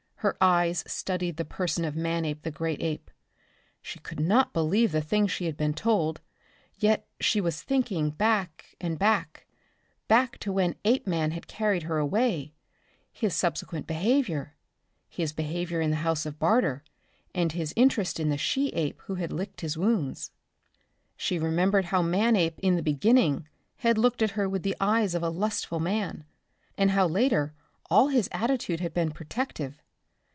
Her eyes studied the person of Manape the great ape. She could not believe the thing she had been told, yet she was thinking back and back back to when Apeman had carried her away, his subsequent behavior, his behavior in the house of Barter, and his interest in the she ape who had licked his wounds. She remembered how Manape in the beginning had looked at her with the eyes of a lustful man and how later all his attitude had been protective.